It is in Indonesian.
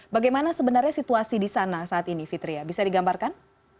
bagaimana sebenarnya situasi di sana saat ini fitria bisa digambarkan